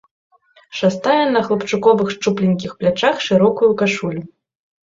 Шастае на хлапчуковых шчупленькіх плячах шырокую кашулю.